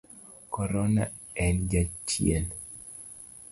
Korona en jachien.